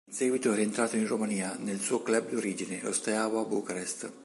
In seguito è rientrato in Romania nel suo club d'origine, lo Steaua Bucarest.